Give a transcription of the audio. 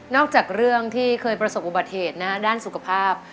จากเรื่องที่เคยประสบอุบัติเหตุด้านสุขภาพ